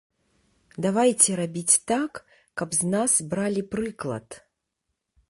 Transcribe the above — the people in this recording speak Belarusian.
Давайце рабіць так, каб з нас бралі прыклад.